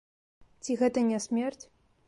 Ці гэта не смерць?